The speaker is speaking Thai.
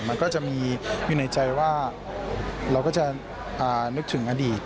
มันก็จะมีอยู่ในใจว่าเราก็จะนึกถึงอดีต